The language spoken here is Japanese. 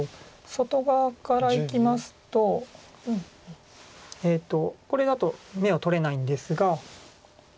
外側からいきますとこれだと眼は取れないんですが。